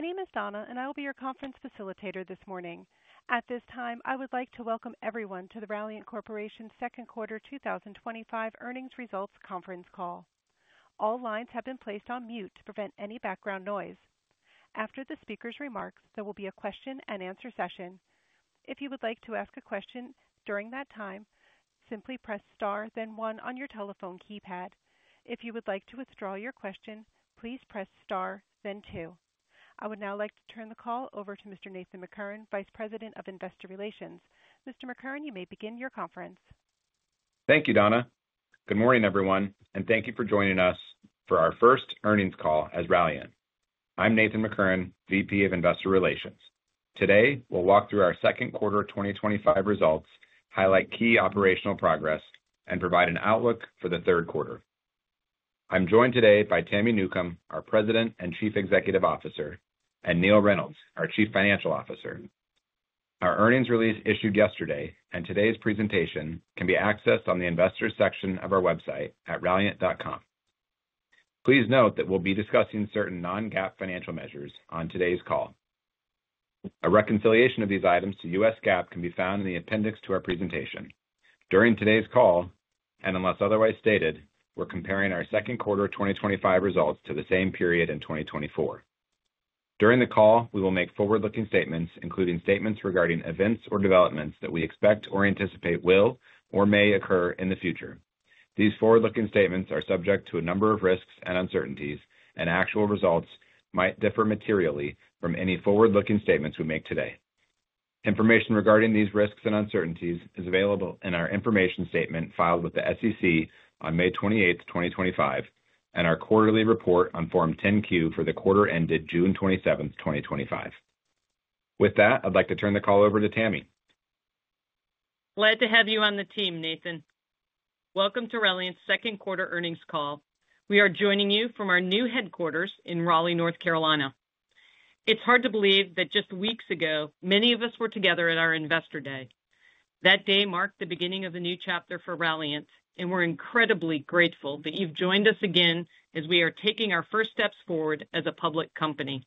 My name is Donna and I will be your conference facilitator this morning. At this time, I would like to welcome everyone to the Ralliant Corporation Second Quarter 2025 Earnings Results Conference Call. All lines have been placed on mute to prevent any background noise. After the speaker's remarks, there will be a question and answer session. If you would like to ask a question during that time, simply press star then one on your telephone keypad. If you would like to withdraw your question, please press star then two. I would now like to turn the call over to Mr. Nathan McCurren, Vice President of Investor Relations. Mr. McCurren, you may begin your conference. Thank you, Donna. Good morning everyone and thank you for joining us for our first earnings call as Ralliant. I'm Nathan McCurren, VP of Investor Relations. Today we'll walk through our second quarter 2025 results, highlight key operational progress, and provide an outlook for the third quarter. I'm joined today by Tami Newcombe, our President and Chief Executive Officer, and Neill Reynolds, our Chief Financial Officer. Our earnings release issued yesterday and today's presentation can be accessed on the Investors section of our website at ralliant.com. Please note that we'll be discussing certain non-GAAP financial measures on today's call. A reconciliation of these items to U.S. GAAP can be found in the appendix to our presentation. During today's call, and unless otherwise stated, we're comparing our second quarter 2025 results to the same period in 2024. During the call we will make forward-looking statements, including statements regarding events or developments that we expect or anticipate will or may occur in the future. These forward-looking statements are subject to a number of risks and uncertainties, and actual results might differ materially from any forward-looking statements we make today. Information regarding these risks and uncertainties is available in our information statement filed with the SEC on May 28, 2025, and our quarterly report on Form 10-Q for the quarter ended June 27, 2025. With that, I'd like to turn the call over to Tami. Glad to have you on the team, Nathan. Welcome to Ralliant's Second Quarter Earnings Call. We are joining you from our new headquarters in Raleigh, North Carolina. It's hard to believe that just weeks ago many of us were together at our investor day. That day marked the beginning of a new chapter for Ralliant and we're incredibly grateful that you've joined us again as we are taking our first steps forward as a public company.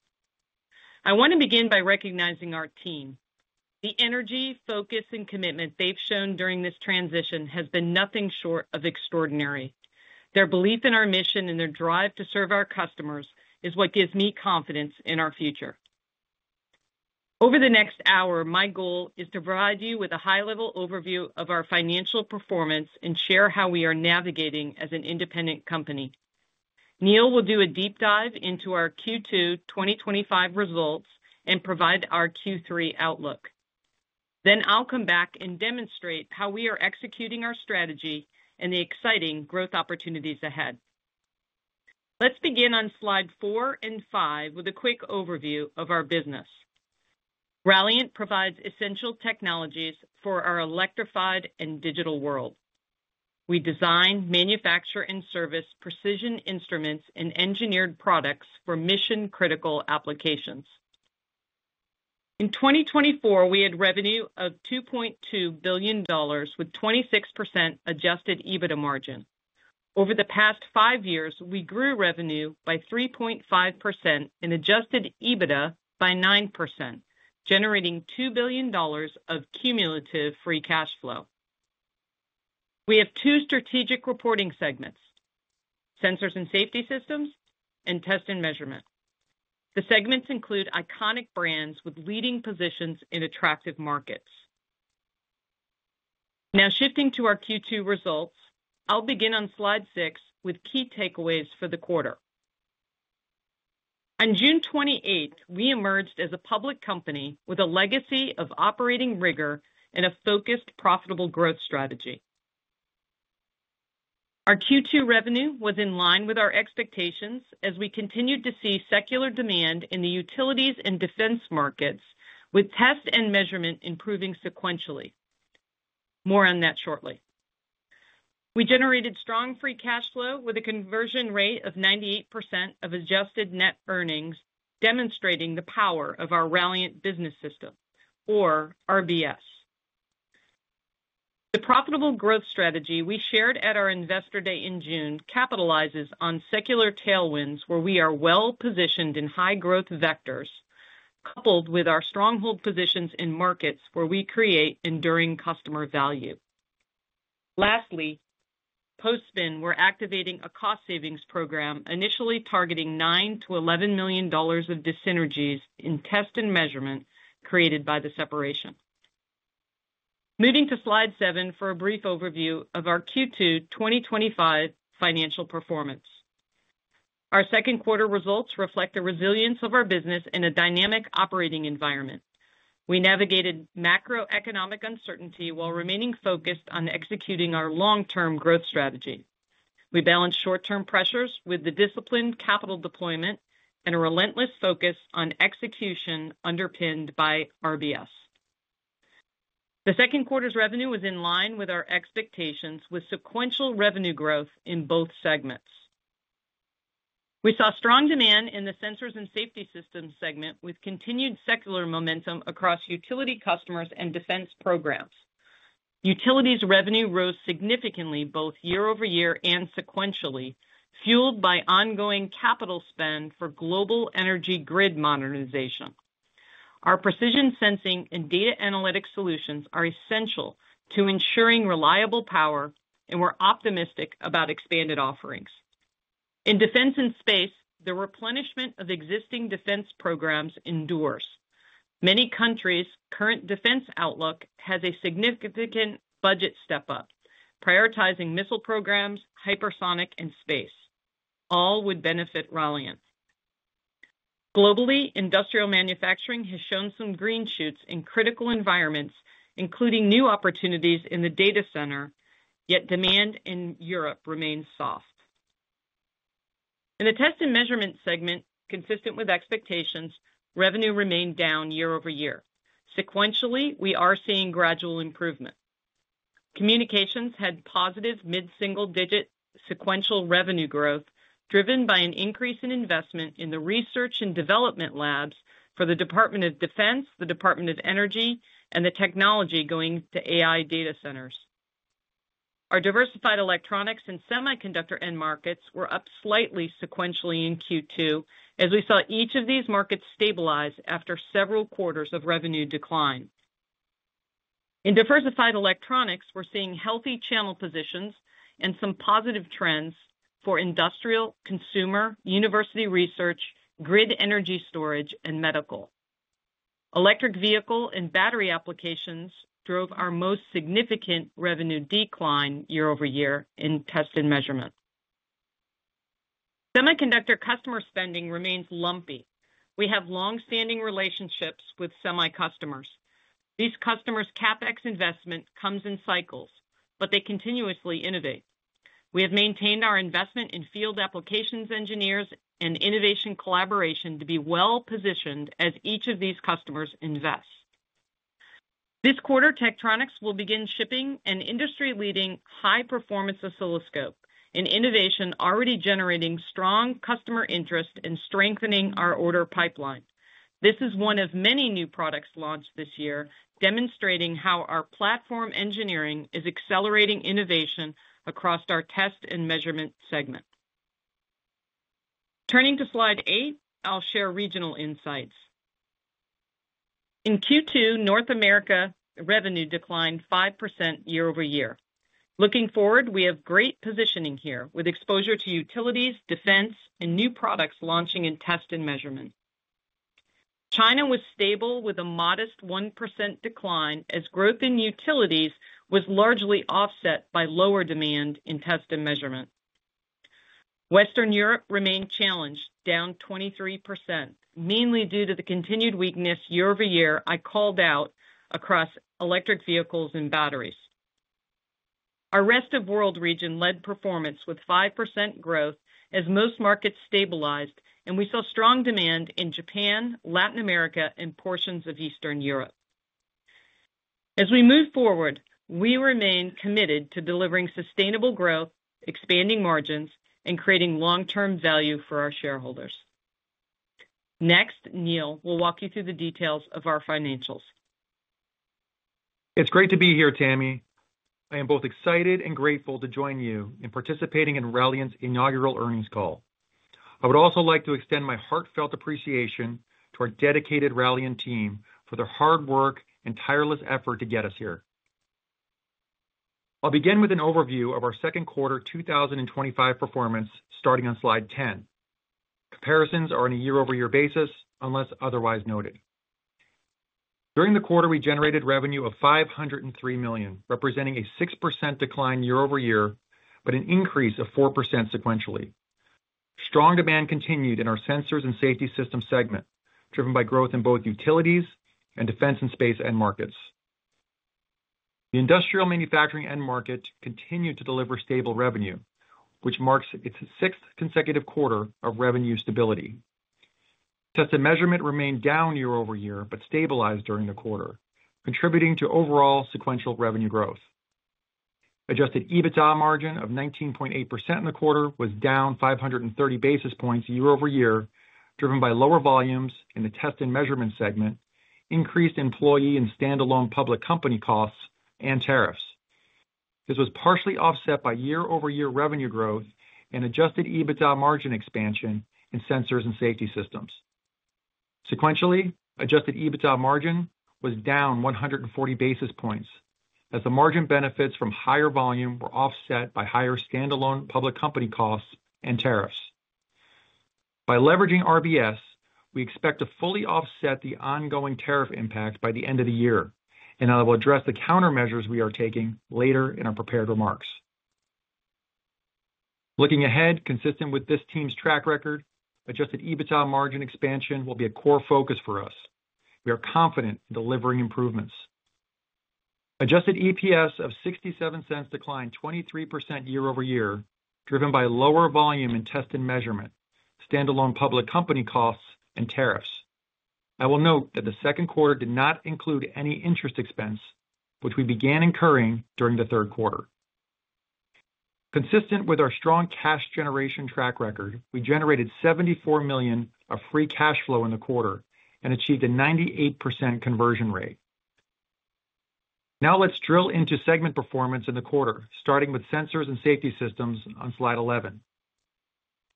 I want to begin by recognizing our team, the energy, focus, and commitment they've shown during this transition has been nothing short of extraordinary. Their belief in our mission and their drive to serve our customers is what gives me confidence in our future. Over the next hour, my goal is to provide you with a high-level overview of our financial performance and share how we are navigating as an independent company. Neill will do a deep dive into our Q2 2025 results and provide our Q3 outlook. I'll come back and demonstrate how we are executing our strategy and the exciting growth opportunities ahead. Let's begin on slides 4 and 5 with a quick overview of our business. Ralliant provides essential technologies for our electrified and digital world. We design, manufacture, and service precision instruments and engineered products for mission-critical applications. In 2024, we had revenue of $2.2 billion with 26% adjusted EBITDA margin. Over the past five years, we grew revenue by 3.5% and adjusted EBITDA by 9%, generating $2 billion of cumulative free cash flow. We have two strategic reporting segments, Sensors and Safety Systems and Test and Measurement. The segments include iconic brands with leading positions in attractive markets. Now shifting to our Q2 results, I'll begin on slide 6 with key takeaways for the quarter. On June 28, we emerged as a public company with a legacy of operating rigor and a focused, profitable growth strategy. Our Q2 revenue was in line with our expectations as we continued to see secular demand in the utilities and defense markets, with Test and Measurement improving sequentially. More on that shortly. We generated strong free cash flow with a conversion rate of 98% of adjusted net earnings, demonstrating the power of our Ralliant Business System, or RBS. The profitable growth strategy we shared at our investor day in June capitalizes on secular tailwinds where we are well positioned in high growth vectors coupled with our stronghold positions in markets where we create enduring customer value. Lastly, post spin, we're activating a cost savings program, initially targeting $9 million-$11 million of dis-synergies in Test and Measurement created by the separation. Moving to slide 7 for a brief overview of our Q2 2025 financial performance. Our second quarter results reflect the resilience of our business in a dynamic operating environment. We navigated macroeconomic uncertainty while remaining focused on executing our long term growth strategy. We balanced short term pressures with disciplined capital deployment and a relentless focus on execution underpinned by RBS. The second quarter's revenue was in line with our expectations, with sequential revenue growth in both segments. We saw strong demand in the Sensors and Safety Systems segment with continued secular momentum across utility customers and defense programs. Utilities revenue rose significantly both year over year and sequentially, fueled by ongoing capital spend for global energy grid modernization. Our precision sensing and data analytics solutions are essential to ensuring reliable power, and we're optimistic about expanded offerings in defense and space. The replenishment of existing defense programs endures. Many countries' current defense outlook has a significant budget step up. Prioritizing missile programs, hypersonic and space all would benefit Ralliant globally. Industrial manufacturing has shown some green shoots in critical environments, including new opportunities in the data center. Yet demand in Europe remains soft in the Test and Measurement segment. Consistent with expectations, revenue remained down year-over-year. Sequentially, we are seeing gradual improvement. Communications had positive mid-single-digit sequential revenue growth driven by an increase in investment in the research and development labs for the Department of Defense, the Department of Energy, and the technology going to AI data centers. Our diversified electronics and semiconductor end markets were up slightly sequentially in Q2 as we saw each of these markets stabilize after several quarters of revenue decline. In diversified electronics, we're seeing healthy channel positions and some positive trends for industrial, consumer, university research, grid energy storage, and medical. Electric vehicle and battery applications drove our most significant revenue decline year-over-year in Test and Measurement. Semiconductor customer spending remains lumpy. We have long standing relationships with semi customers. These customers' CapEx investment comes in cycles, but they continuously innovate. We have maintained our investment in field applications, engineers, and innovation collaboration to be well positioned as each of these customers invest. This quarter, Tektronix will begin shipping an industry-leading high-performance oscilloscope, an innovation already generating strong customer interest and strengthening our order pipeline. This is one of many new products launched this year, demonstrating how our platform engineering is accelerating innovation across our Test and Measurement segment. Turning to slide 8, I'll share regional insights. In Q2, North America revenue declined 5% year-over-year. Looking forward, we have great positioning here with exposure to utilities, defense, and new products launching in Test and Measurement. China was stable with a modest 1% decline as growth in utilities was largely offset by lower demand in Test and Measurement. Western Europe remained challenged, down 23%, mainly due to the continued weakness year over year I called out across electric vehicles and batteries. Our Rest of World region led performance with 5% growth as most markets stabilized and we saw strong demand in Japan, Latin America, and portions of Eastern Europe. As we move forward, we remain committed to delivering sustainable growth, expanding margins, and creating long-term value for our shareholders. Next, Neill will walk you through the details of our financials. It's great to be here, Tami. I am both excited and grateful to join you in participating in Ralliant's inaugural earnings call. I would also like to extend my heartfelt appreciation to our dedicated Ralliant team for their hard work and tireless effort to get us here. I'll begin with an overview of our second quarter 2025 performance starting on slide 10. Comparisons are on a year-over-year basis unless otherwise noted. During the quarter, we generated revenue of $503 million, representing a 6% decline year-over-year, but an increase of 4% sequentially. Strong demand continued in our Sensors and Safety Systems segment, driven by growth in both utilities and defense and space end markets. The industrial manufacturing end market continued to deliver stable revenue, which marks its sixth consecutive quarter of revenue stability. Test and Measurement remained down year over year but stabilized during the quarter, contributing to overall sequential revenue growth. Adjusted EBITDA margin of 19.8% in the quarter was down 530 basis points year-over-year, driven by lower volumes in the Test and Measurement segment, increased employee and standalone public company costs, and tariffs. This was partially offset by year-over-year revenue growth and adjusted EBITDA margin expansion in Sensors and Safety Systems. Sequentially, adjusted EBITDA margin was down 140 basis points as the margin benefits from higher volume were offset by higher standalone public company costs and tariffs. By leveraging RBS, we expect to fully offset the ongoing tariff impact by the end of the year, and I will address the countermeasures we are taking later in our prepared remarks. Looking ahead, consistent with this team's track record, adjusted EBITDA margin expansion will be a core focus for us. We are confident delivering improvements. Adjusted EPS of $0.67 declined 23% year-over-year, driven by lower volume in Test and Measurement, standalone public company costs, and tariffs. I will note that the second quarter did not include any interest expense, which we began incurring during the third quarter. Consistent with our strong cash generation track record, we generated $74 million of free cash flow in the quarter and achieved a 98% conversion rate. Now let's drill into segment performance in the quarter, starting with Sensors and Safety Systems. On slide 11,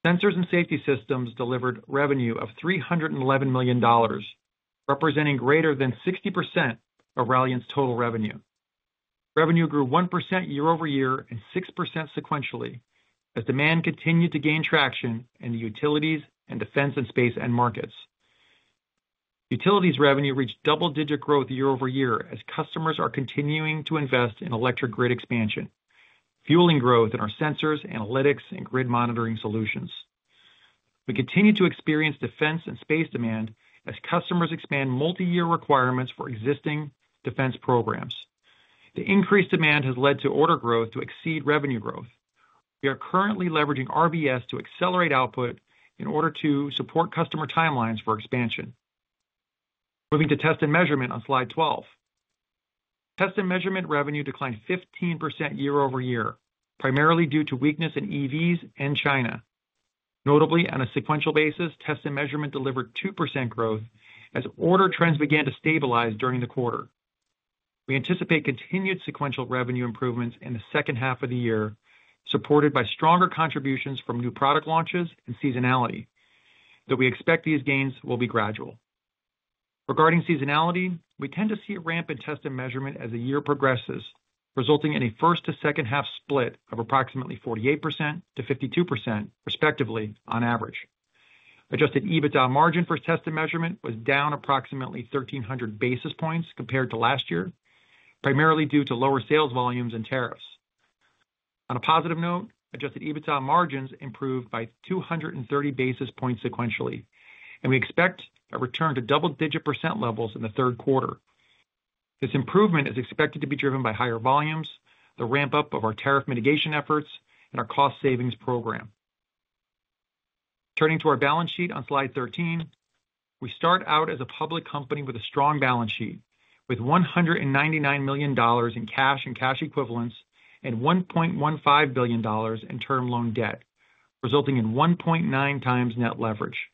Sensors and Safety Systems delivered revenue of $311 million, representing greater than 60% of Ralliant's total revenue. Revenue grew 1% year-over-year and 6% sequentially as demand continued to gain traction in the utilities and defense and space end markets. Utilities revenue reached double-digit growth year-over-year as customers are continuing to invest in electric grid expansion, fueling growth in our sensors, analytics, and grid monitoring solutions. We continue to experience defense and space demand as customers expand multi-year requirements for existing defense programs. The increased demand has led to order growth to exceed revenue growth. We are currently leveraging RBS to accelerate output in order to support customer timelines for expansion. Moving to Test and Measurement on slide 12, Test and Measurement revenue declined 15% year-over-year, primarily due to weakness in EVs and China. Notably, on a sequential basis, Test and Measurement delivered 2% growth as order trends began to stabilize during the quarter. We anticipate continued sequential revenue improvements in the second half of the year, supported by stronger contributions from new product launches and seasonality, though we expect these gains will be gradual. Regarding seasonality, we tend to see a ramp in Test and Measurement as the year progresses, resulting in a first to second half split of approximately 48% to 52%, respectively. On average, adjusted EBITDA margin for Test and Measurement was down approximately 1300 basis points compared to last year, primarily due to lower sales volumes and tariffs. On a positive note, adjusted EBITDA margins improved by 230 basis points sequentially, and we expect a return to double-digit percent levels in the third quarter. This improvement is expected to be driven by higher volumes, the ramp-up of our tariff mitigation efforts, and our cost savings program. Turning to our balance sheet on slide 13, we start out as a public company with a strong balance sheet with $199 million in cash and cash equivalents and $1.15 billion in term loan debt, resulting in 1.9x net leverage.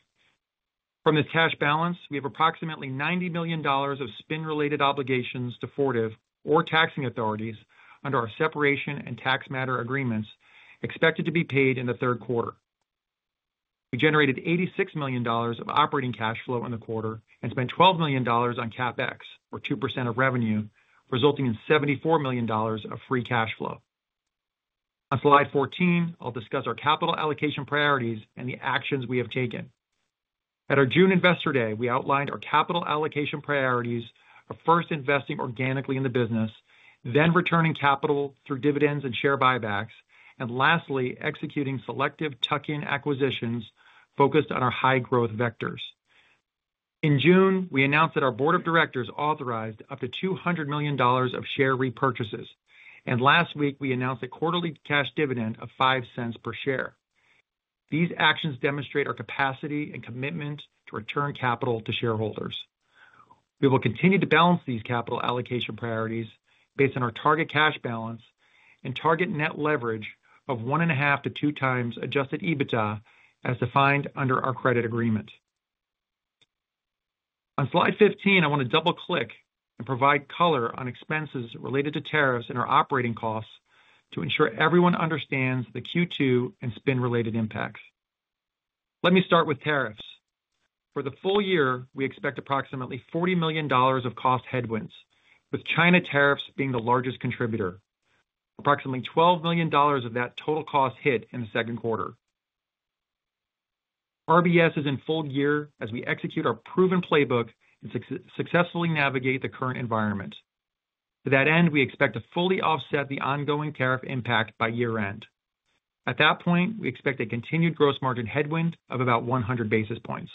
From this cash balance, we have approximately $90 million of spin-related obligations to Fortive or taxing authorities under our separation and tax matter agreements expected to be paid in the third quarter. We generated $86 million of operating cash flow in the quarter and spent $12 million on CapEx, or 2% of revenue, resulting in $74 million of free cash flow. On slide 14, I'll discuss our capital allocation priorities and the actions we have taken. At our June Investor Day, we outlined our capital allocation priorities of first investing organically in the business, then returning capital through dividends and share buybacks, and lastly executing selective tuck-in acquisitions focused on our high growth vectors. In June, we announced that our Board of Directors authorized up to $200 million of share repurchases, and last week we announced a quarterly cash dividend of $0.05 per share. These actions demonstrate our capacity and commitment to return capital to shareholders. We will continue to balance these capital allocation priorities based on our target cash balance and target net leverage of 1.5x-2x adjusted EBITDA as defined under our credit agreement. On slide 15, I want to double click and provide color on expenses related to tariffs and our operating costs to ensure everyone understands the Q2 and spin-related impacts. Let me start with tariffs. For the full year, we expect approximately $40 million of cost headwinds, with China tariffs being the largest contributor. Approximately $12 million of that total cost hit in the second quarter. RBS is in full gear as we execute our proven playbook and successfully navigate the current environment. To that end, we expect to fully offset the ongoing tariff impact by year end. At that point, we expect a continued gross margin headwind of about 100 basis points.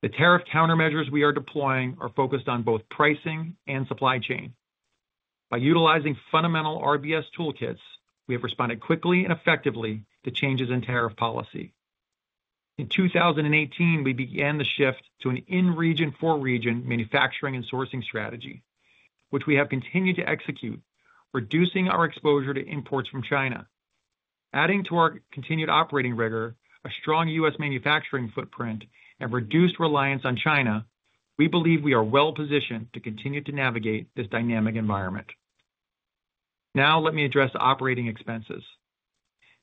The tariff countermeasures we are deploying are focused on both pricing and supply chain. By utilizing fundamental RBS toolkits, we have responded quickly and effectively to changes in tariff policy. In 2018, we began the shift to an in-region for-region manufacturing and sourcing strategy, which we have continued to execute, reducing our exposure to imports from China, adding to our continued operating rigor, a strong U.S. manufacturing footprint, and reduced reliance on China. We believe we are well positioned to continue to navigate this dynamic environment. Now let me address operating expenses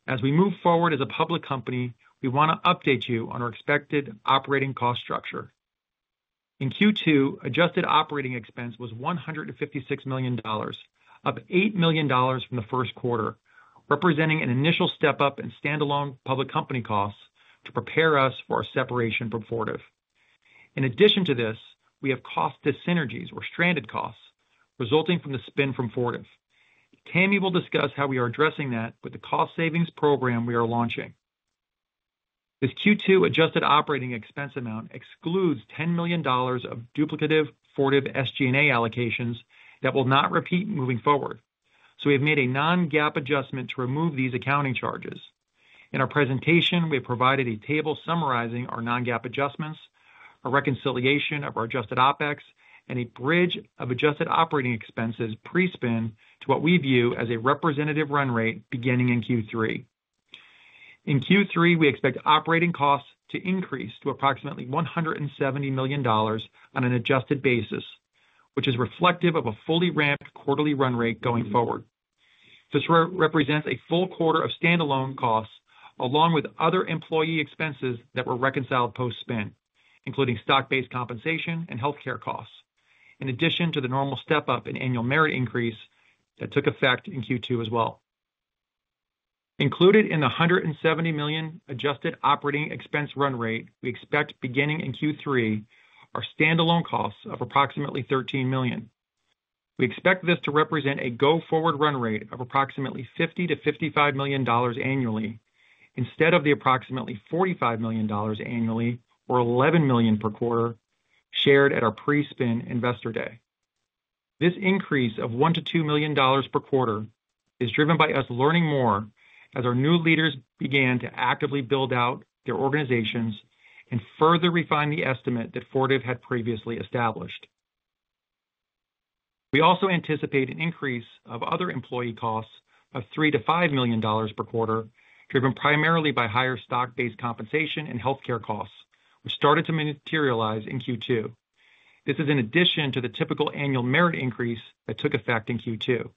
as we move forward as a public company. We want to update you on our expected operating cost structure. In Q2, adjusted operating expense was $156 million, up $8 million from the first quarter, representing an initial step up in standalone public company costs to prepare us for our separation from Fortive. In addition to this, we have cost dis-synergies or stranded costs resulting from the spin from Fortive. Tami will discuss how we are addressing that with the cost savings program we are launching. This Q2 adjusted operating expense amount excludes $10 million of duplicative Fortive SG&A allocations that will not repeat moving forward. We have made a non-GAAP adjustment to remove these accounting charges. In our presentation, we have provided a table summarizing our non-GAAP adjustments, a reconciliation of our adjusted OpEx, and a bridge of adjusted operating expenses pre-spin to what we view as a representative run rate beginning in Q3. In Q3, we expect operating costs to increase to approximately $170 million on an adjusted basis, which is reflective of a fully ramped quarterly run rate going forward. This represents a full quarter of standalone costs along with other employee expenses that were reconciled post-spin, including stock-based compensation and healthcare costs, in addition to the normal step up in annual merit increase that took effect in Q2 as well. Included in the $170 million adjusted operating expense run rate we expect beginning in Q3 are standalone costs of approximately $13 million. We expect this to represent a go-forward run rate of approximately $50 million-$55 million annually instead of the approximately $45 million annually or $11 million per quarter shared at our pre-spin investor day. This increase of $1 million to $2 million per quarter is driven by us learning more as our new leaders began to actively build out their organizations and further refine the estimate that Fortive had previously established. We also anticipate an increase of other employee costs of $3 million to $5 million per quarter driven primarily by higher stock-based compensation and healthcare costs which started to materialize in Q2. This is in addition to the typical annual merit increase that took effect in Q2.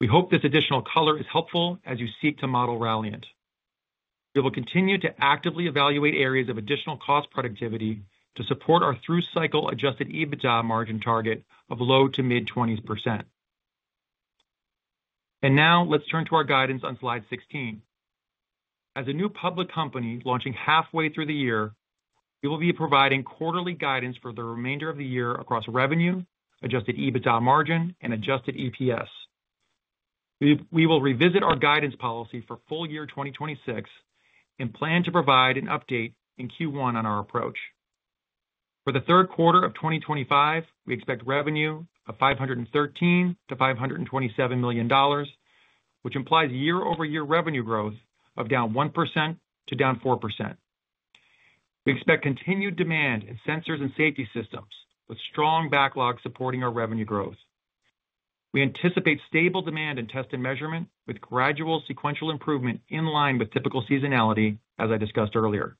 We hope this additional color is helpful as you seek to model Ralliant. We will continue to actively evaluate areas of additional cost productivity to support our through-cycle adjusted EBITDA margin target of low to mid 20% and now let's turn to our guidance on slide 16. As a new public company launching halfway through the year, we will be providing quarterly guidance for the remainder of the year across revenue, adjusted EBITDA margin, and adjusted EPS. We will revisit our guidance policy for full year 2026 and plan to provide an update in Q1 on our approach. For the third quarter of 2025, we expect revenue of $513 million-$527 million, which implies year-over-year revenue growth of down 1% to down 4%. We expect continued demand in Sensors and Safety Systems with strong backlog supporting our revenue growth. We anticipate stable demand in Test and Measurement with gradual sequential improvement in line with typical seasonality. As I discussed earlier,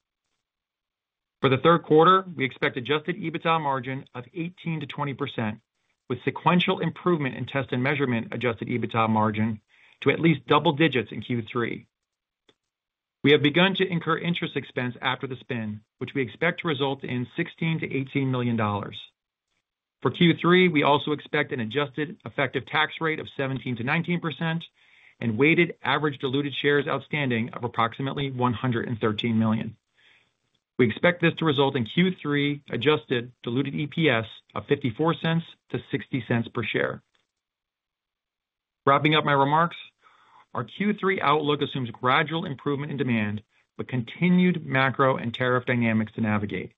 for the third quarter we expect adjusted EBITDA margin of 18% to 20% with sequential improvement in Test and Measurement adjusted EBITDA margin to at least double-digits in Q3. We have begun to incur interest expense after the spin, which we expect to result in $16 million-$18 million. For Q3 we also expect an adjusted effective tax rate of 17%-19% and weighted average diluted shares outstanding of approximately $113 million. We expect this to result in Q3 adjusted diluted EPS of $0.54 to $0.60 per share. Wrapping up my remarks, our Q3 outlook assumes gradual improvement in demand but continued macro and tariff dynamics to navigate.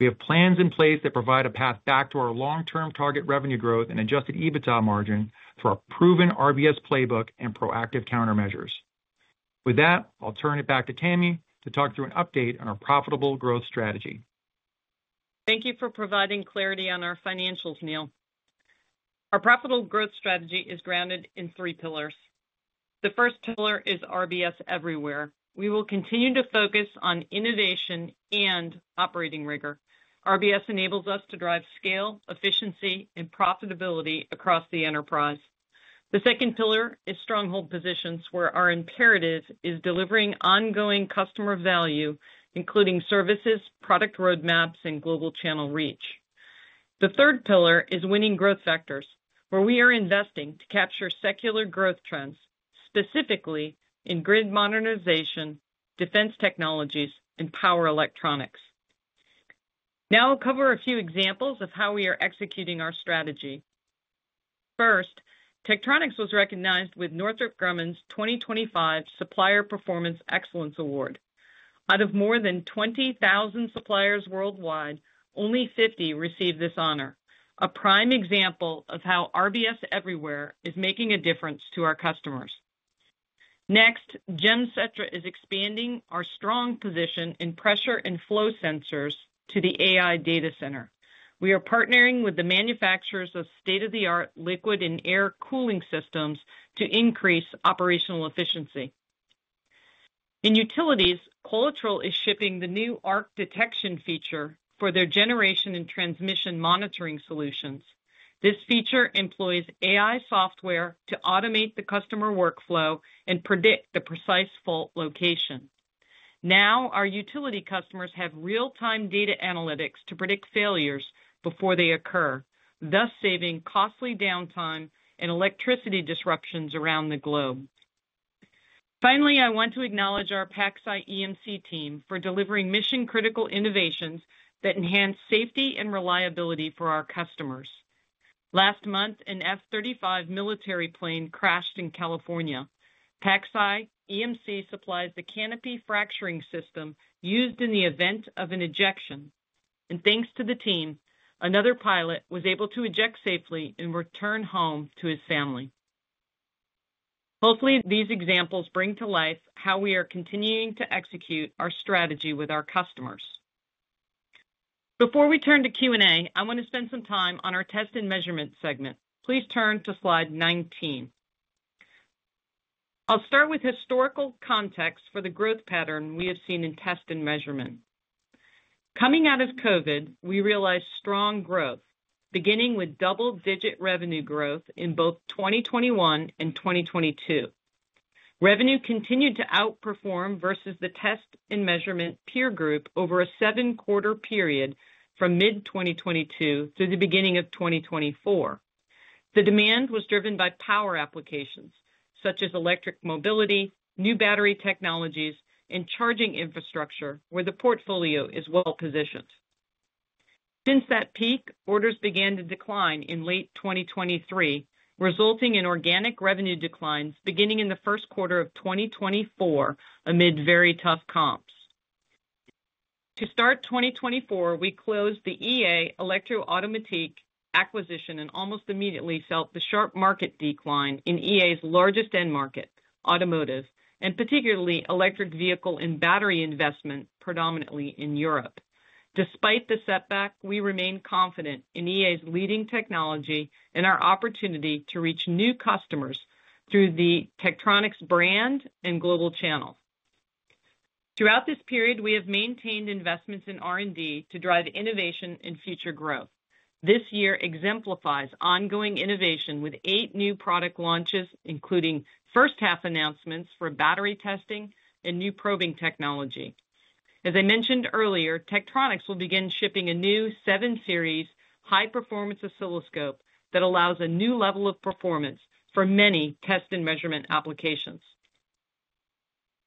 We have plans in place that provide a path back to our long-term target revenue growth and adjusted EBITDA margin through our proven RBS playbook and proactive countermeasures. With that, I'll turn it back to Tami to talk through an update on our profitable growth strategy. Thank you for providing clarity on our financials, Neill. Our profitable growth strategy is grounded in three pillars. The first pillar is RBS Everywhere. We will continue to focus on innovation and operating rigor. RBS enables us to drive scale, efficiency, and profitability across the enterprise. The second pillar is Stronghold Positions, where our imperative is delivering ongoing customer value, including services, product roadmaps, and global channel reach. The third pillar is Winning Growth Vectors, where we are investing to capture secular growth trends, specifically in grid modernization, defense technologies, and power electronics. Now I'll cover a few examples of how we are executing our strategy. First, Tektronix was recognized with Northrop Grumman's 2025 Supplier Performance Excellence Award. Out of more than 20,000 suppliers worldwide, only 50 received this honor. This is a prime example of how RBS Everywhere is making a difference to our customers. Next, Gems Setra is expanding our strong position in pressure and flow sensors to the AI data center. We are partnering with the manufacturers of state-of-the-art liquid and air cooling systems to increase operational efficiency in utilities. Qualitrol is shipping the new arc detection feature for their generation and transmission monitoring solutions. This feature employs AI software to automate the customer workflow and predict the precise fault location. Now our utility customers have real-time data analytics to predict failures before they occur, thus saving costly downtime and electricity disruptions around the globe. Finally, I want to acknowledge our PacSci EMC team for delivering mission-critical innovations that enhance safety and reliability for our customers. Last month, an F-35 military plane crashed in California. PacSci EMC supplies the canopy fracturing system used in the event of an ejection, and thanks to the team, another pilot was able to eject safely and return home to his family. Hopefully these examples bring to life how we are continuing to execute our strategy with our customers. Before we turn to Q&A, I want to spend some time on our Test and Measurement segment. Please turn to slide 19. I'll start with historical context for the growth pattern we have seen in Test and Measurement. Coming out of COVID, we realized strong growth beginning with double-digit revenue growth in both 2021 and 2022. Revenue continued to outperform versus the Test and Measurement peer group over a seven quarter period from mid-2022 through the beginning of 2024. The demand was driven by power applications such as electric mobility, new battery technologies, and charging infrastructure where the portfolio is well positioned. Since that peak, orders began to decline in late 2023, resulting in organic revenue declines beginning in the first quarter of 2024 amid very tough comps. To start 2024, we closed the EA Elektro-Automatik acquisition and almost immediately felt the sharp market decline in EA's largest end market, automotive and particularly electric vehicle and battery investment, predominantly in Europe. Despite the setback, we remain confident in EA's leading technology and our opportunity to reach new customers through the Tektronix brand and global channel. Throughout this period, we have maintained investments in R&D to drive innovation and future growth. This year exemplifies ongoing innovation with eight new product launches, including first half announcements for battery testing and new probing technology. As I mentioned earlier, Tektronix will begin shipping a new 7 Series high-performance oscilloscope that allows a new level of performance for many Test and Measurement applications.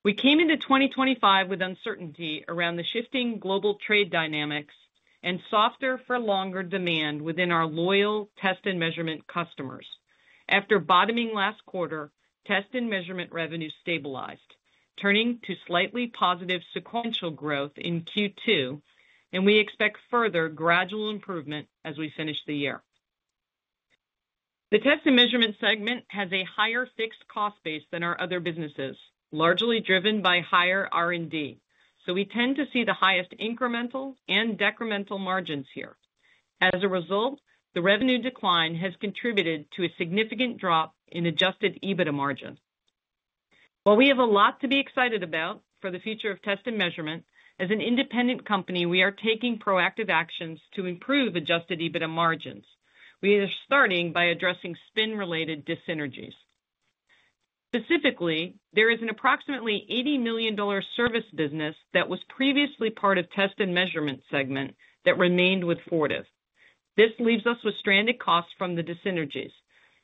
We came into 2025 with uncertainty around the shifting global trade dynamics and softer for longer demand within our loyal Test and Measurement customers. After bottoming last quarter, Test and Measurement revenue stabilized, turning to slightly positive sequential growth in Q2, and we expect further gradual improvement as we finish the year. The Test and Measurement segment has a higher fixed cost base than our other businesses, largely driven by higher R&D, so we tend to see the highest incremental and decremental margins here. As a result, the revenue decline has contributed to a significant drop in adjusted EBITDA margin. While we have a lot to be excited about for the future of Test and Measurement as an independent company, we are taking proactive actions to improve adjusted EBITDA margins. We are starting by addressing spin-related dis-synergies. Specifically, there is an approximately $80 million service business that was previously part of the Test and Measurement segment that remained with Fortive. This leaves us with stranded costs from the dis-synergies.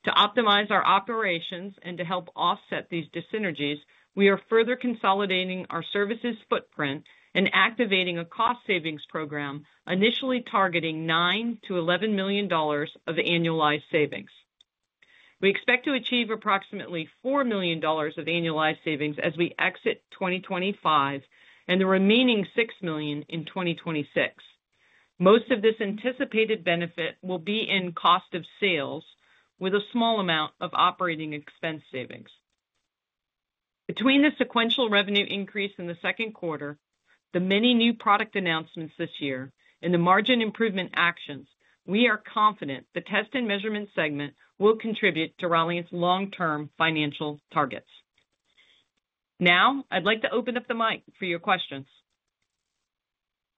To optimize our operations and to help offset these dis-synergies, we are further consolidating our services footprint and activating a cost savings program initially targeting $9 million-$11 million of annualized savings. We expect to achieve approximately $4 million of annualized savings as we exit 2025 and the remaining $6 million in 2026. Most of this anticipated benefit will be in cost of sales, with a small amount of operating expense savings. Between the sequential revenue increase in the second quarter, the many new product announcements this year, and the margin improvement actions, we are confident the Test and Measurement segment will contribute to Ralliant's long-term financial targets. Now I'd like to open up the mic for your questions.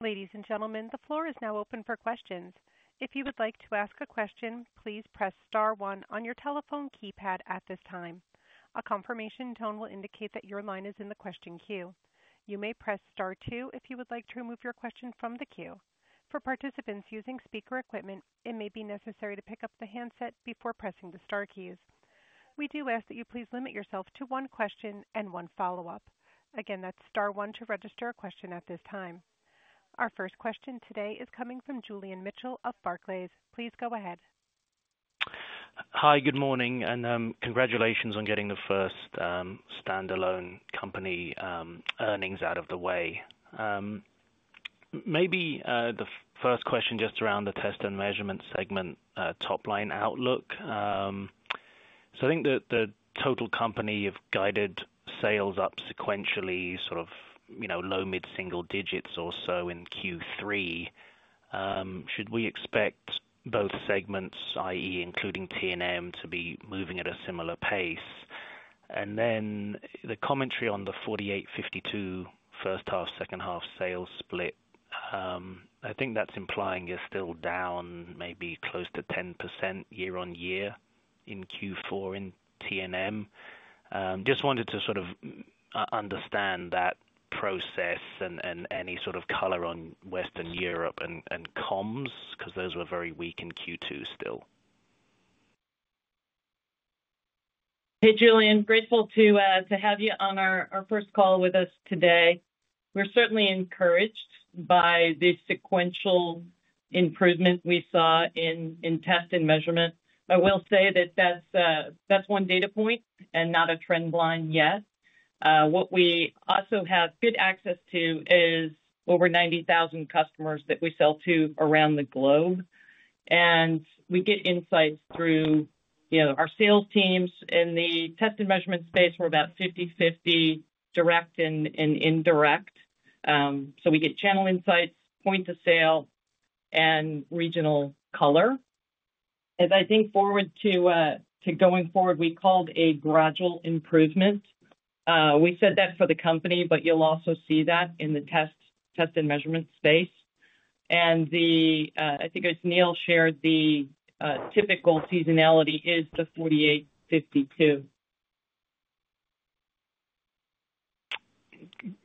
Ladies and gentlemen, the floor is now open for questions. If you would like to ask a question, please press star one on your telephone keypad at this time. A confirmation tone will indicate that your line is in the question queue. You may press star two if you would like to remove your question from the queue. For participants using speaker equipment, it may be necessary to pick up the handset before pressing the star keys. We do ask that you please limit yourself to one question and one follow-up. Again, that's star one to register a question at this time. Our first question today is coming from Julian Mitchell of Barclays. Please go ahead. Hi, good morning and congratulations on getting the first standalone company earnings out of the way. Maybe the first question just around the Test and Measurement segment top line outlook. I think that the total company have guided sales up sequentially, sort of, you know, low mid-single-digits in Q3. Should we expect both segments, that is including T&M, to be moving at a similar pace? The commentary on the 48/52 first half, second half sales split, I think that's implying you're still down maybe close to 10% year-on-year in Q4 in T&M. Just wanted to sort of understand that process and any sort of color on Western Europe and comms because those were very weak in Q2 still. Hey Julian, grateful to have you on our first call with us today. We're certainly encouraged by this sequential improvement we saw in Test and Measurement. I will say that's one data point and not a trend line yet. We also have good access to over 90,000 customers that we sell to around the globe, and we get insights through our sales teams. In the Test and Measurement space, we're about 50/50 direct and indirect, so we get channel insights, point of sale, and regional color. As I think forward to going forward, we called a gradual improvement. We said that for the company. You'll also see that in the Test and Measurement space. I think as Neill shared, the typical seasonality is the 48/52.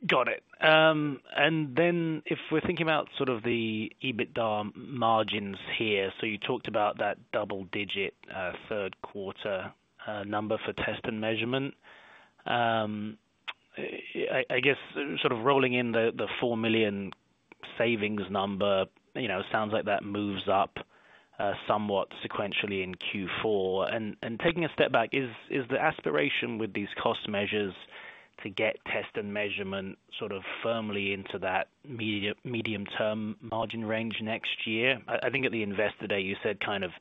Got it. If we're thinking about sort of the EBITDA margins here, you talked about that double-digit third quarter number for Test and Measurement. I guess sort of rolling in the $4 million savings number, it sounds like that moves up somewhat sequentially in Q4. Taking a step back, is the aspiration with these cost measures to get Test and Measurement sort of firmly into that medium-term margin range next year? I think at the investor day you said kind of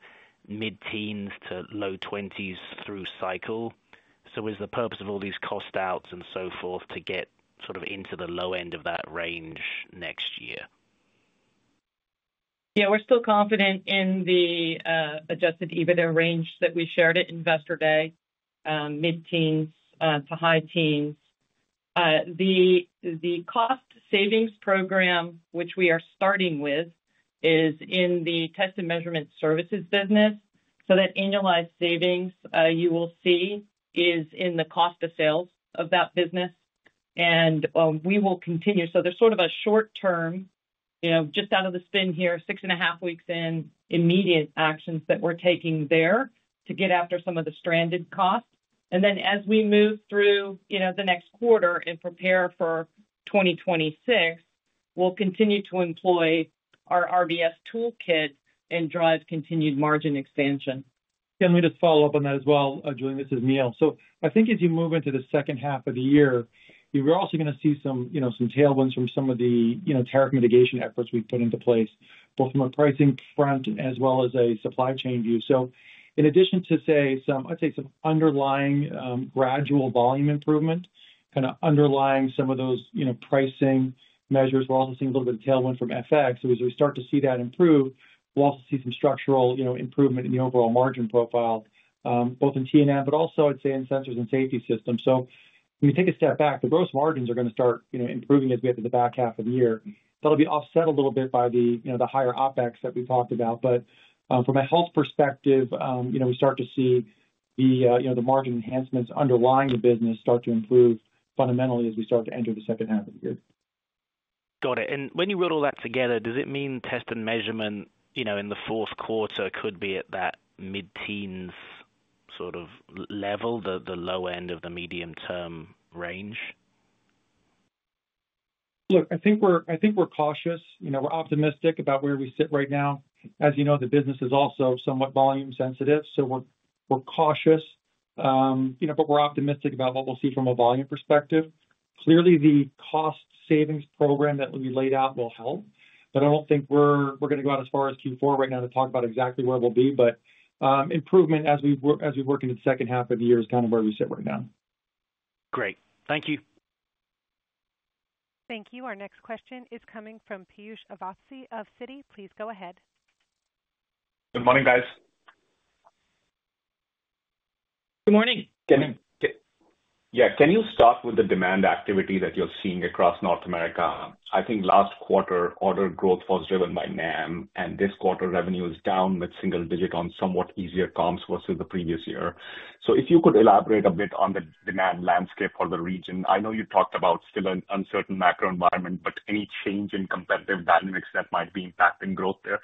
mid-teens to low 20s through cycle. Is the purpose of all these cost outs and so forth to get sort of into the low end of that range next year? Yeah, we're still confident in the adjusted EBITDA range that we shared at Investor Day, mid-teens to high-teens. The cost savings program which we are starting with is in the Test and Measurement services business. That annualized savings you will see is in the cost of sales of that business and we will continue. There's sort of a short term, just out of the spin here, six and a half weeks in, immediate actions that we're taking there to get after some of the stranded costs. As we move through the next quarter and prepare for 2026, we'll continue to employ our RBS toolkit and drive continued margin expansion. Let me just follow up on that as well. Julian, this is Neill. I think as you move into the second half of the year, you're also going to see some tailwinds from some of the tariff mitigation efforts we put into place, both from a pricing front as well as a supply chain view. In addition to some underlying gradual volume improvement underlying some of those pricing measures, we're also seeing a little bit of tailwind from FX. As we start to see that improve, we'll also see some structural improvement in the overall margin profile, both in T&M, but also in Sensors and Safety Systems. When you take a step back, the gross margins are going to start improving as we get to the back half of the year. That'll be offset a little bit by the higher OpEx that we talked about. From a health perspective, we start to see the margin enhancements underlying the business start to improve fundamentally as we start to enter the second half of the year. Got it. When you put all that together, does it mean Test and Measurement in the fourth quarter could be at that? Mid-teens sort of level the low end of the medium term range? I think we're cautious. We're optimistic about where we sit right now. As you know, the business is also somewhat volume sensitive. We're cautious, but we're optimistic about what we'll see from a volume perspective. Clearly, the cost savings program that will be laid out will help. I don't think we're going to go out as far as Q4 right now to talk about exactly where we'll be, but improvement as we work into the second half of the year is kind of where we sit right now. Great, thank you. Thank you. Our next question is coming from Piyush Avasthi of Citi. Please go ahead. Good morning, guys. Good morning. Yeah, can you start with the demand activity that you're seeing across North America? I think last quarter order growth was driven by NAMM and this quarter revenue is down with single-digit on somewhat easier comps versus the previous year. If you could elaborate a bit on the demand landscape for the region. I know you talked about still an uncertain macro environment, but any change in competitive dynamics that might be impacting growth there.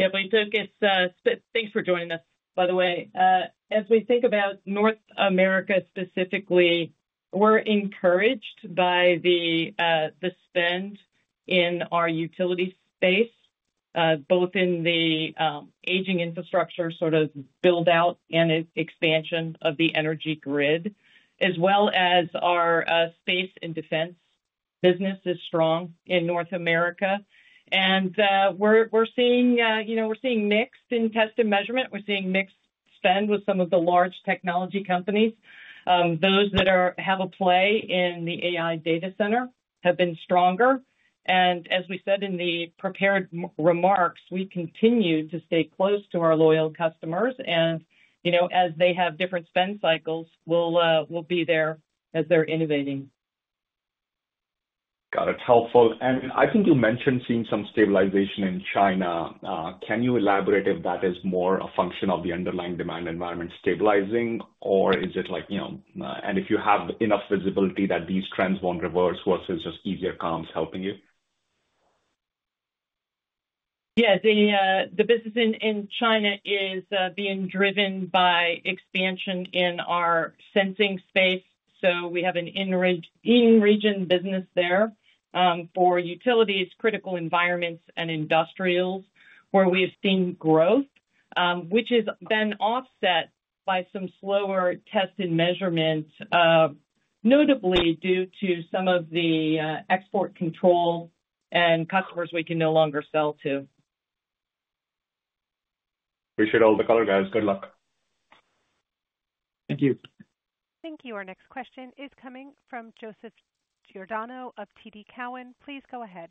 Yeah, thanks for joining us. By the way, as we think about North America specifically, we're encouraged by the spend in our utility space, both in the aging infrastructure, sort of build out and expansion of the energy grid, as well as our space and defense. Business is strong in North America, and we're seeing mixed in Test and Measurement. We're seeing mixed spend with some of the large technology companies. Those that have a play in the AI data center have been stronger, and as we said in the prepared remarks, we continue to stay close to our loyal customers as they have different spend cycles. We'll be there as they're innovating. That's helpful. I think you mentioned seeing some stabilization in China. Can you elaborate if that is more a function of the underlying demand environment stabilizing, or is it like, you know, if you have enough visibility that these trends won't reverse versus just easier comps helping you? Yeah. The business in China is being driven by expansion in our sensing space. We have an in-region business there for utilities, critical environments, and industrials where we've seen growth, which has been offset by some slower Test and Measurement, notably due to some of the export control and customers we can no longer sell to. Appreciate all the color, guys. Good luck. Thank you. Thank you. Our next question is coming from Joseph Giordano of TD Cowen. Please go ahead.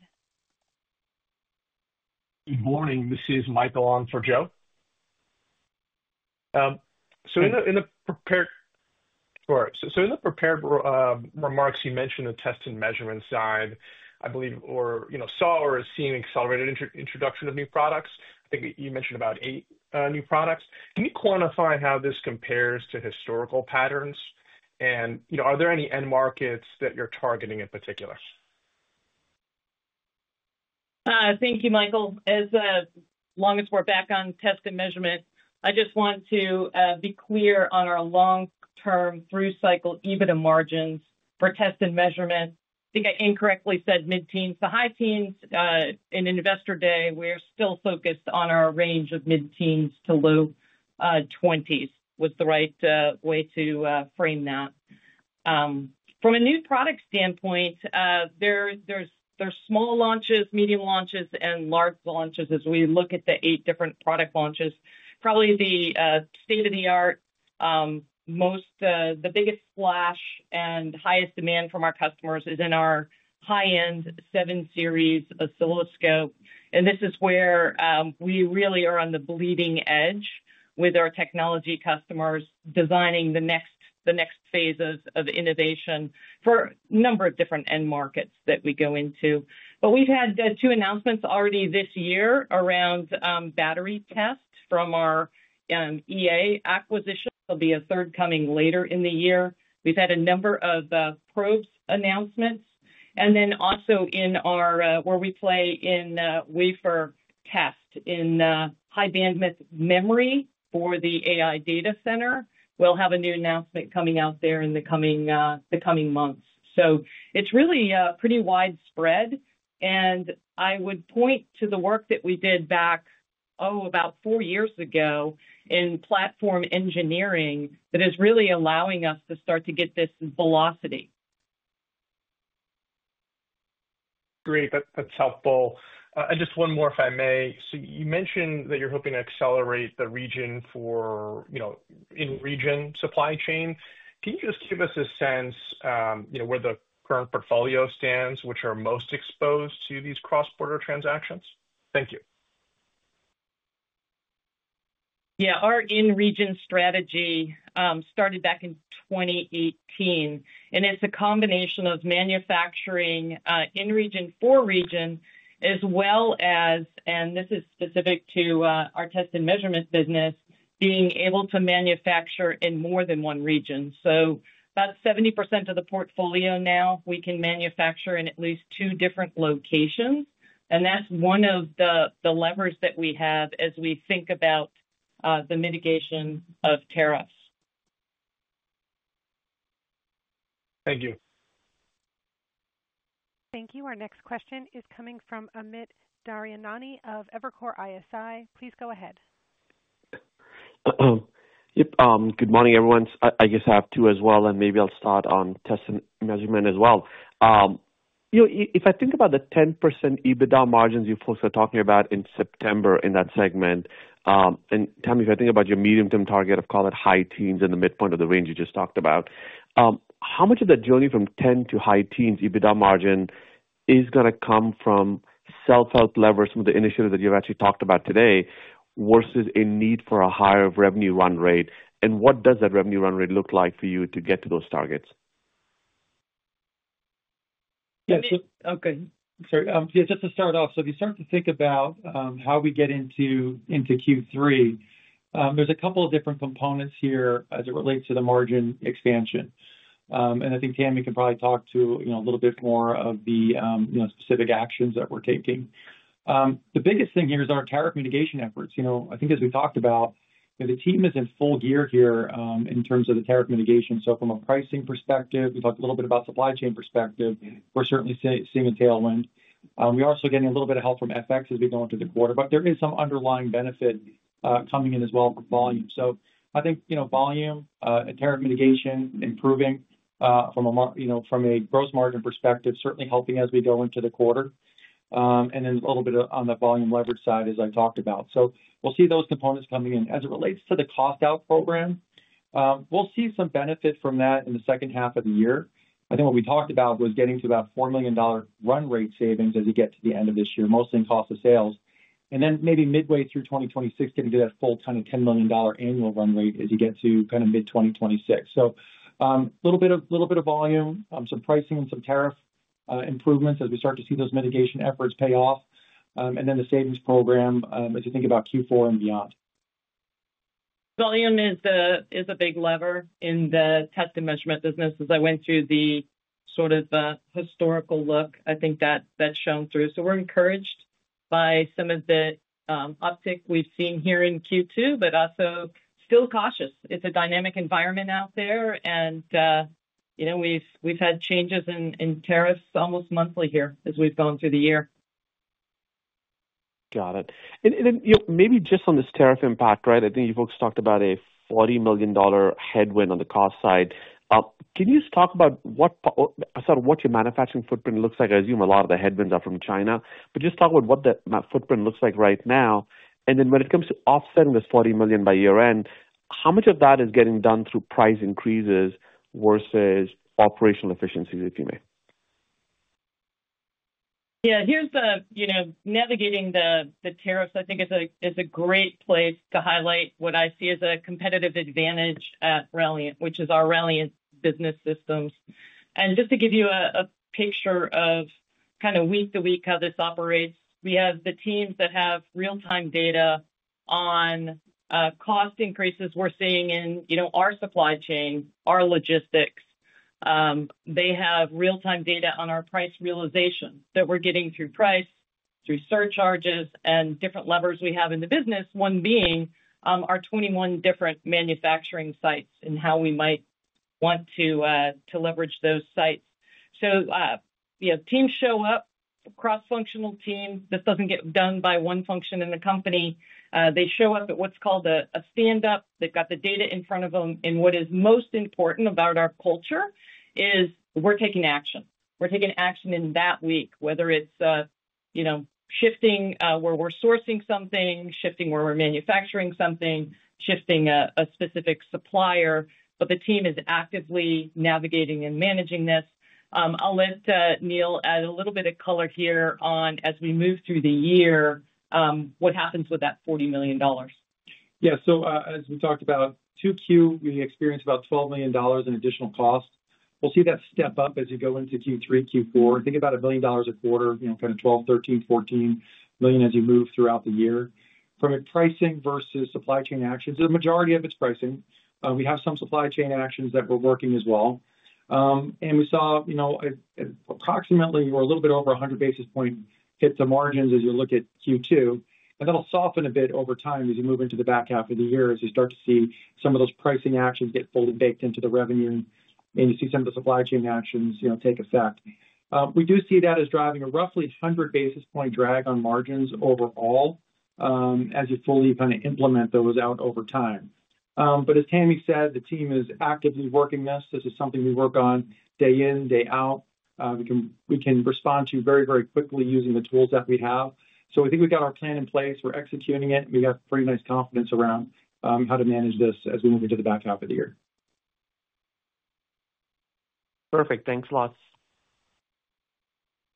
Good morning, this is Michael on for Joe. In the prepared. In the prepared remarks you mentioned the Test and Measurement side, I believe, or you know, saw or is seeing accelerated introduction of new products. I think you mentioned about eight new products. Can you quantify how this compares to historical patterns, and you know, are there any end markets that you're targeting in particular? Thank you, Michael. As long as we're back on Test and Measurement, I just want to be clear on our long-term through-cycle EBITDA margins for Test and Measurement. I think I incorrectly said mid-teens to high teens in Investor Day. We're still focused on our range of mid-teens to low 20s. That was the right way to frame that. From a new product standpoint, there's small launches, medium launches, and large launches. As we look at the eight different product launches, probably the state-of-the-art, most, the biggest flash and highest demand from our customers is in our high-end 7 Series oscilloscope. This is where we really are on the bleeding edge with our technology customers, designing the next phases of innovation for a number of different end markets that we go into. We've had two announcements already this year around battery tests from our EA acquisition. There'll be a third coming later in the year. We've had a number of probes announcements, and then also in our, where we play in wafer test in high bandwidth memory for the AI data center, we'll have a new announcement coming out there in the coming months. It's really pretty widespread, and I would point to the work that we did back, oh, about four years ago in platform engineering that is really allowing us to start to get this velocity. Great, that's helpful. Just one more if I may. You mentioned that you're hoping to accelerate the region for, you know, in-region supply chain. Can you just give us a sense, you know, where the current portfolio stands, which are most exposed to these cross-border transactions? Thank you. Our in region strategy started back in 2018, and it's a combination of manufacturing in region for region as well as, and this is specific to our Test and Measurement business, being able to manufacture in more than one region. About 70% of the portfolio now we can manufacture in at least two different locations. That's one of the levers that we have as we think about the mitigation of tariffs. Thank you. Thank you. Our next question is coming from Amit Daryanani of Evercore ISI. Please go ahead. Good morning everyone. I guess I have two as well and maybe I'll start on Test and Measurement as well. If I think about the 10% EBITDA margins you folks are talking about in September in that segment, and Tami, if I think about your medium term target of, call it, high teens in the midpoint of the range you just talked about, how much of the journey from 10% to high teens EBITDA margin is going to come from self help, leverage, some of the initiatives that you've actually talked about today versus a need for a higher revenue run rate? What does that revenue run rate look like for you to get to those targets? Yes. Okay. Sorry. Just to start off, if you start to think about how we get into Q3, there's a couple of different components here as it relates to the margin expansion, and I think Tami can probably talk to a little bit more of the specific actions that we're taking. The biggest thing here is our tariff mitigation efforts. I think as we talked about, the team is in full gear here in terms of the tariff mitigation. From a pricing perspective, we talked a little bit about supply chain perspective. We're certainly seeing a tailwind. We're also getting a little bit of help from FX as we go into the quarter, but there is some underlying benefit coming in as well with volume. I think volume, tariff mitigation improving from a gross margin perspective, certainly helping as we go into the quarter, and then a little bit on the volume leverage side as I talked about. We'll see those components coming in as it relates to the cost out program. We'll see some benefit from that in the second half of the year. I think what we talked about was getting to about $4 million run rate savings as you get to the end of this year, most in cost of sales, and then maybe midway through 2026 getting to that full ton of $10 million annual run rate as you get to kind of mid-2026. A little bit of volume, some pricing, and some tariffs improvements as we start to see those mitigation efforts pay off. The savings program, as you think about Q4 and beyond, Volume is. A big lever in the Test and Measurement business. As I went through the sort of historical look, I think that's shown through. We're encouraged by some of the optic we've seen here in Q2, but also still cautious. It's a dynamic environment out there. We've had changes in tariffs almost monthly here as we've gone through the year. Got it. Maybe just on this tariff impact. Right. I think you folks talked about a $40 million headwind on the cost side. Can you talk about what your manufacturing footprint looks like? I assume a lot of the headwinds are from China, but just talk about what the footprint looks like right now. When it comes to offsetting this $40 million by year end, how much of that is getting done through price increases versus operational efficiencies, if you may? Yeah, here's the, you know, navigating the tariffs, I think is a great place to highlight what I see as a competitive advantage at Ralliant, which is our Ralliant Business Systems. Just to give you a picture of kind of week-to-week how this operates, we have the teams that have real-time data on cost increases we're seeing in our supply chain, our logistics. They have real-time data on our price realization that we're getting through price, through surcharges and different levers we have in the business, one being our 21 different manufacturing sites and how we might want to leverage those sites. We have teams show up, cross-functional team. This doesn't get done by one function in the company. They show up at what's called a stand up. They've got the data in front of them. What is most important about our culture is we're taking action. We're taking action in that week, whether it's shifting where we're sourcing something, shifting where we're manufacturing something, shifting a specific supplier, but the team is actively navigating and managing this. I'll let Neill add a little bit of color here on as we move through the year, what happens with that $40 million. Yeah, as we talked about 2Q, we experienced about $12 million in additional cost. We'll see that step up as you go into Q3, Q4, think about a billion dollars a quarter, you know, kind of $12 million, $13 million, $14 million. As you move throughout the year from a pricing versus supply chain actions, the majority of it's pricing. We have some supply chain actions that we're working as well and we saw, you know, approximately we're a little bit over 100 basis point hit to margins as you look at Q2 and that'll soften a bit over time. As you move into the back half of the year, as you start to see some of those pricing actions get pulled and baked into the revenue and you see some of the supply chain actions take effect, we do see that as driving a roughly 100 basis point drag on margins overall as you fully kind of implement those out over time. As Tami said, the team is actively working this. This is something we work on day in, day out. We can respond to very, very quickly using the tools that we have. We think we've got our plan in place, we're executing it. We got pretty nice confidence around how to manage this as we move into the back half of the year. Perfect. Thanks lots.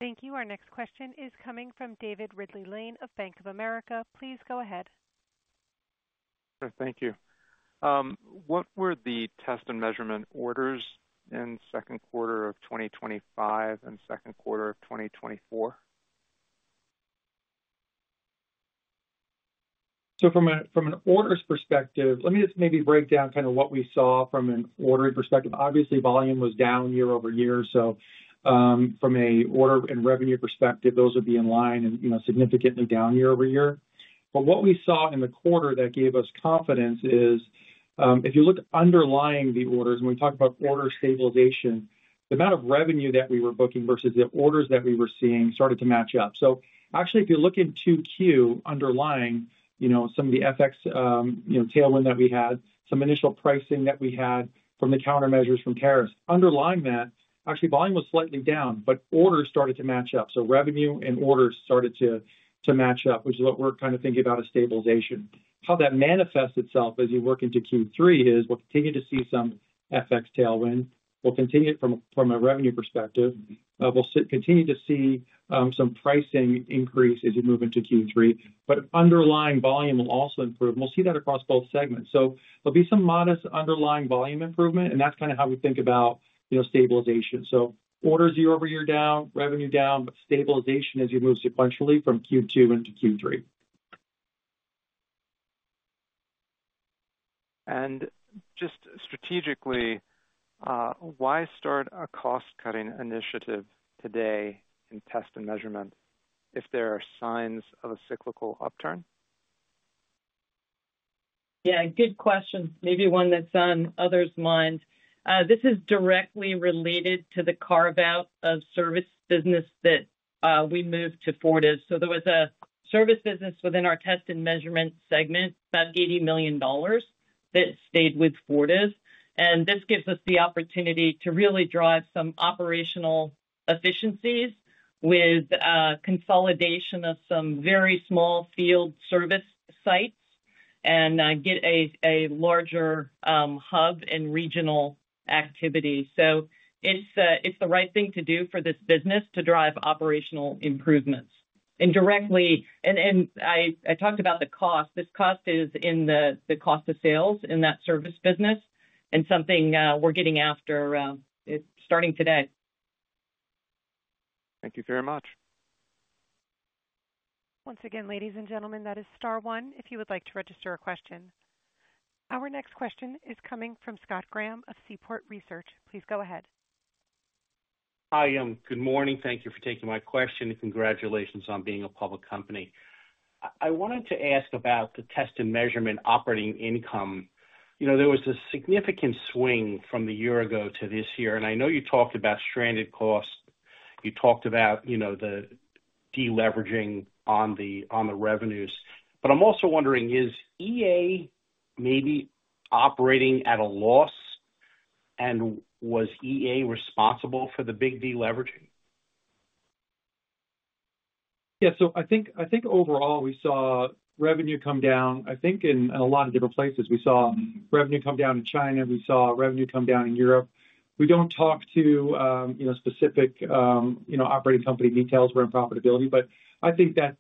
Thank you. Our next question is coming from David Ridley-Lane of Bank of America. Please go ahead. Thank you. What were the Test and Measurement orders in the second quarter of 2025 and second quarter of 2024? From an orders perspective, let me just maybe break down what we saw from an ordering perspective. Obviously, volume was down year-over-year. From an order and revenue perspective, those would be in line and, you know, significantly down year-over-year. What we saw in the quarter that gave us confidence is if you look underlying the orders and we talk about order stabilization, the amount of revenue that we were booking versus the orders that we were seeing started to match up. If you look into Q2 underlying, you know, some of the FX tailwind that we had, some initial pricing that we had from the countermeasures, from tariffs underlying that, actually volume was slightly down, but orders started to match up. Revenue and orders started to match up, which is what we're kind of thinking about as stabilization. How that manifests itself as you look into Q3 is we'll continue to see some FX tailwind. We'll continue from a revenue perspective, we'll continue to see some pricing increase as you move into Q3, but underlying volume will also improve. We'll see that across both segments. There will be some modest underlying volume improvement, and that's kind of how we think about stabilization. Orders year over year down, revenue down, stabilization as you move sequentially from Q2 into Q3. Just strategically, why start a cost cutting initiative today in Test and Measurement if there are signs of a cyclical upturn? Yeah, good question. Maybe one that's on others' mind. This is directly related to the carve out of service business that we moved to Fortive. There was a service business within our Test and Measurement segment, about $80 million, that stayed with Fortive. This gives us the opportunity to really drive some operational efficiencies with consolidation of some very small field service sites and get a larger hub and regional activity. It's the right thing to do for this business to drive operational improvements directly. I talked about the cost; this cost is in the cost of sales in that service business and something we're getting after starting today. Thank you very much. Once again, ladies and gentlemen, that is star one. If you would like to register a question, our next question is coming from Scott Graham of Seaport Research. Please go ahead. Hi, good morning. Thank you for taking my question and congratulations on being a public company. I wanted to ask about the Test and Measurement operating income. There was a significant swing from the year ago to this year. I know you talked about stranded costs. You talked about the deleveraging on the revenues. I'm also wondering, is EA maybe operating at a loss and was EA responsible for the big deleveraging? Yeah. I think overall we saw revenue come down, I think in a lot of different places. We saw revenue come down in China, we saw revenue come down in Europe. We don't talk to specific operating company details around profitability, but I think that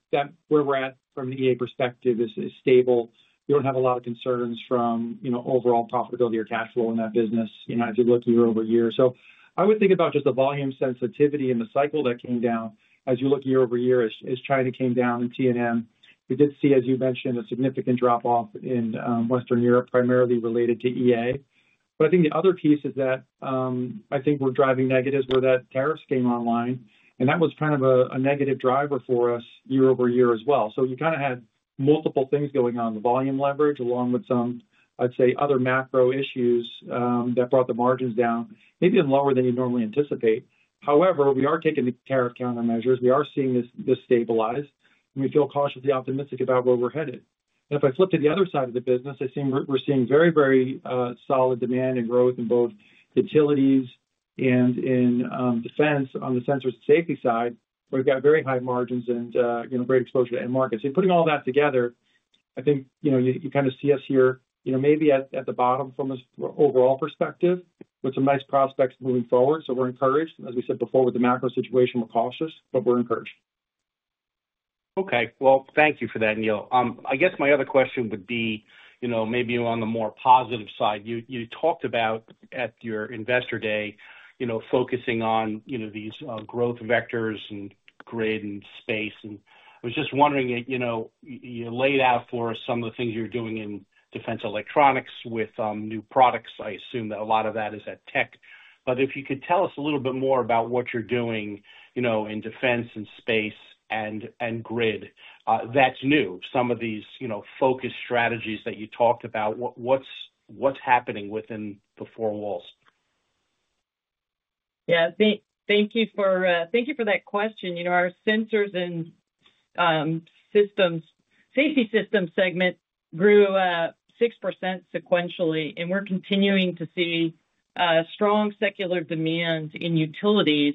where we're at from an EA perspective is stable. You don't have a lot of concerns from overall profitability or cash flow in that business as you look year-over-year. I would think about just the volume sensitivity and the cycle that came down as you look year-over-year. As China came down in T&M, we did see, as you mentioned, a significant drop off in Western Europe, primarily related to EA. I think the other piece is that we're driving negatives where tariffs came online and that was kind of a negative driver for us year over year as well. You kind of had multiple things going on, the volume leverage, along with some other macro issues that brought the margins down maybe even lower than you normally anticipate. However, we are taking care of count on measures. We are seeing this stabilize. We feel cautiously optimistic about where we're headed. If I flip to the other side of the business, I think we're seeing very, very solid demand and growth in both utilities and in defense. On the Sensors and Safety side, we've got very high margins and great exposure to end markets. Putting all that together, I think you kind of see us here maybe at the bottom from an overall perspective with some nice prospects moving forward. We're encouraged, as we said before with the macro situation, we're cautious, but we're encouraged. Thank you for that, Neill. I guess my other question would be, maybe on the more positive side, you talked about at your investor day, focusing on these growth vectors and grid and space. I was just wondering, you laid out for some of the things you're doing in defense electronics with new products. I assume that a lot of that is at tech but if you could tell us a little bit more about what you're doing in defense and space and that's new, some of these focused strategies that you talked about. What's happening within the four walls. Thank you for that question. Our Sensors and Safety Systems segment grew 6% sequentially, and we're continuing to see strong secular demand in utilities.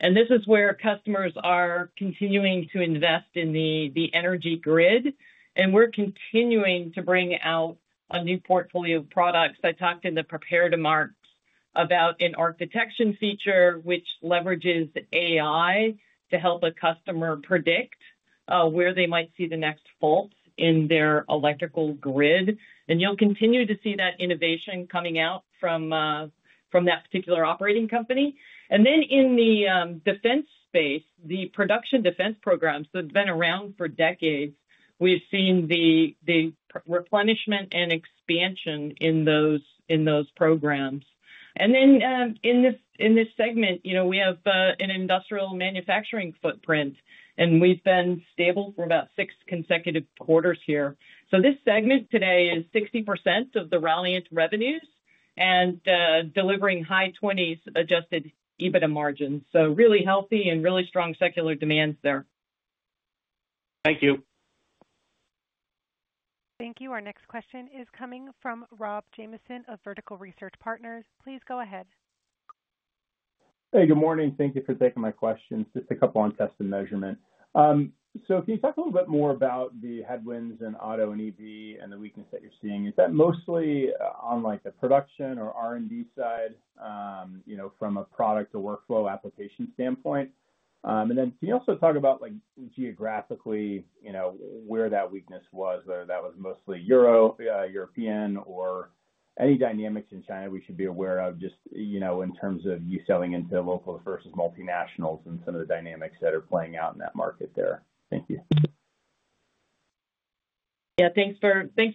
This is where customers are continuing to invest in the energy grid, and we're continuing to bring out a new portfolio of products. I talked in the prepared remarks about an arc detection feature which leverages AI to help a customer predict where they might see the next fault in their electrical grid. You'll continue to see that innovation coming out from that particular operating company. In the defense space, the production defense programs that have been around for decades, we've seen the replenishment and expansion in those programs. In this segment, we have an industrial manufacturing footprint, and we've been stable for about six consecutive quarters here. This segment today is 60% of the Ralliant revenues and delivering high 20s adjusted EBITDA margins. Really healthy and really strong secular demand there. Thank you. Thank you. Our next question is coming from Rob Jamieson of Vertical Research Partners. Please go ahead. Hey, good morning. Thank you for taking my questions. Just a couple on Test and Measurement. Can you talk a little bit. More about the headwinds in auto and EV and the weakness that you're seeing? Is that mostly on the production or R&D side, from a product or workflow application standpoint? Can you also talk about, geographically, where that weakness was, whether that was mostly Europe, European, or any dynamics in China we should be aware of, in terms of you selling into locals versus multinationals and some of the dynamics that are playing out in that market there? Thank you. Yeah, thanks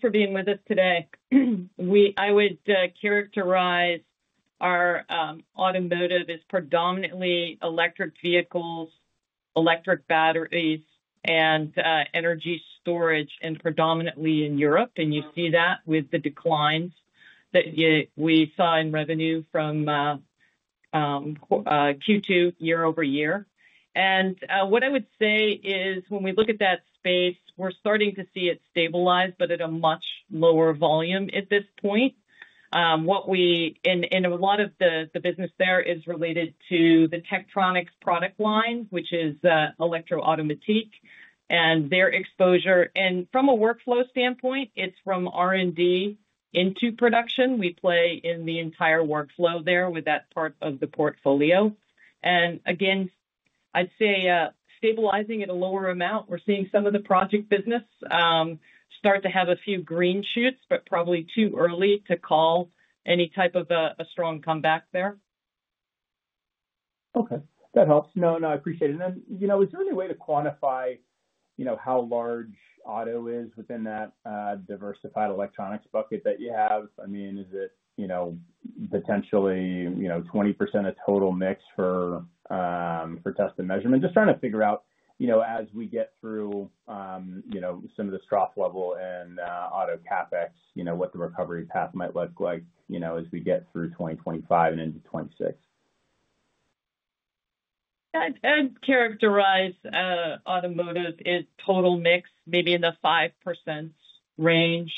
for being with us today. I would characterize our automotive as predominantly electric vehicles, electric batteries, and energy storage, and predominantly in Europe. You see that with the declines that we saw in revenue from Q2 year over year. What I would say is when we look at that space, we're starting to see it stabilize, but at a much lower volume at this point. A lot of the business there is related to the Tektronix product line, which is Elektro-Automatik and their exposure. From a workflow standpoint, it's from R&D into production. We play in the entire workflow there with that part of the portfolio. I'd say stabilizing at a lower amount, we're seeing some of the project business start to have a few green shoots, but probably too early to call any type of a strong comeback there. Okay, that helps. No, I appreciate it. Is there any. Way to quantify how large auto is within that diversified electronics bucket that you have? I mean, is it potentially 20% of total mix for Test and Measurement? Just trying to figure out as we get through some of the soft level and auto CapEx, what the recovery path might look like as we get through 2025 and into 2026. I characterize automotive as total mix, maybe in the 5% range.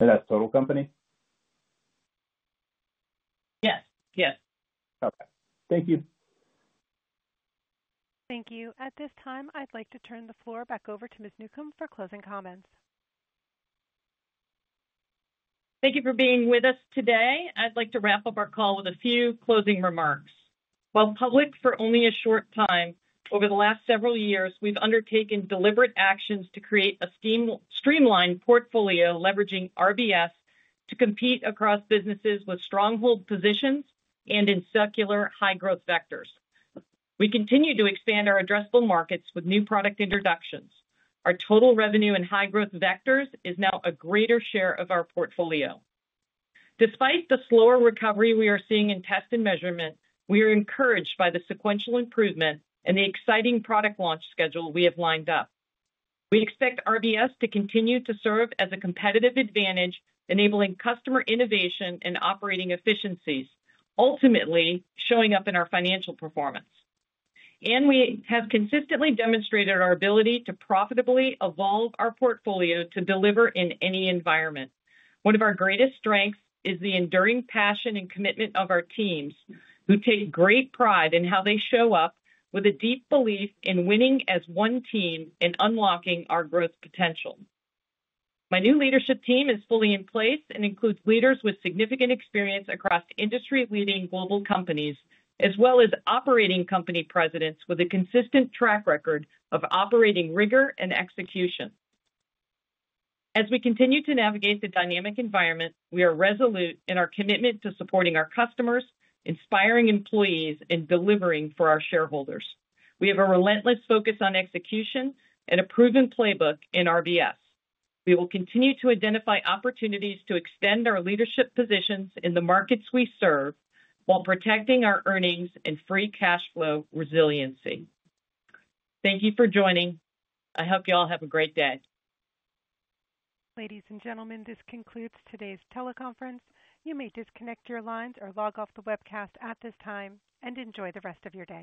That's total company. Yes. Yes. Okay, thank you. Thank you. At this time, I'd like to turn the floor back over to Ms. Newcombe for closing comments. Thank you for being with us today. I'd like to wrap up our call with a few closing remarks. While public for only a short time, over the last several years we've undertaken deliberate actions to create a streamlined portfolio, leveraging RBS to compete across businesses with stronghold positions and in secular high growth vectors. We continue to expand our addressable markets with new product introductions. Our total revenue and high growth vectors is now a greater share of our portfolio. Despite the slower recovery we are seeing in Test and Measurement, we are encouraged by the sequential improvement and the exciting product launch schedule we have lined up. We expect RBS to continue to serve as a competitive advantage, enabling customer innovation and operating efficiencies, ultimately showing up in our financial performance. We have consistently demonstrated our ability to profitably evolve our portfolio to deliver in any environment. One of our greatest strengths is the enduring passion and commitment of our teams who take great pride in how they show up with a deep belief in winning as one team and unlocking our growth potential. My new leadership team is fully in place and includes leaders with significant experience across industry leading global companies as well as operating company presidents with a consistent track record of operating rigor and execution. As we continue to navigate the dynamic environment, we are resolute in our commitment to supporting our customers, inspiring employees and delivering for our shareholders. We have a relentless focus on execution and a proven playbook in RBS. We will continue to identify opportunities to extend our leadership positions in the markets we serve while protecting our earnings and free cash flow resiliency. Thank you for joining. I hope you all have a great day. Ladies and gentlemen, this concludes today's teleconference. You may disconnect your lines or log off the webcast at this time and enjoy the rest of your day.